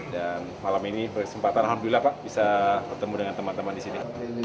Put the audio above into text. dan malam ini berkesempatan alhamdulillah pak bisa bertemu dengan teman teman di sini